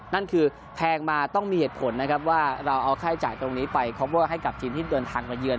นั่นคือแพงมาต้องมีเหตุผลนะครับว่าเราเอาค่าจ่ายตรงนี้ไปคอปเวอร์ให้กับทีมที่เดินทางมาเยือน